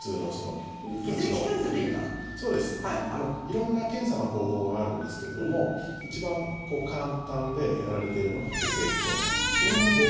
色んな検査の方法があるんですけれども一番簡単で、やられているのが血液検査なんですね。